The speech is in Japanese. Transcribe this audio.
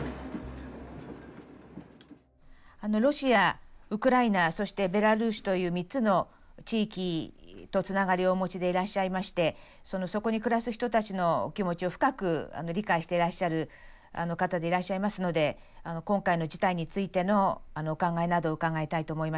ロシアウクライナそしてベラルーシという３つの地域とつながりをお持ちでいらっしゃいましてそこに暮らす人たちの気持ちを深く理解してらっしゃる方でいらっしゃいますので今回の事態についてのお考えなどを伺いたいと思いました。